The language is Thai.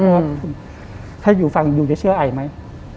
เพราะว่าถ้าอยู่ฟังอยู่จะเชื่อไอไหม